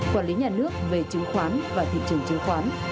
quản lý nhà nước về chứng khoán và thị trường chứng khoán